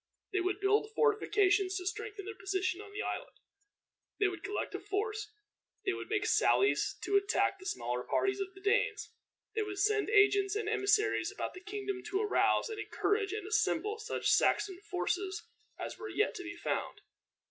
They would build fortifications to strengthen their position on the island. They would collect a force. They would make sallies to attack the smaller parties of the Danes. They would send agents and emissaries about the kingdom to arouse, and encourage, and assemble such Saxon forces as were yet to be found.